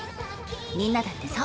みんなだってそう。